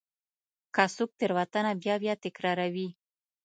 که څوک تېروتنه بیا بیا تکراروي.